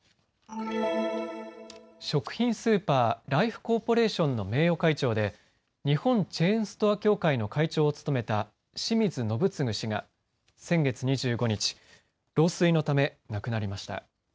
食品スーパー、ライフコーポレーションの名誉会長で日本チェーンストア協会の会長を務めた清水信次氏が先月２５日、老衰のため亡くなりました。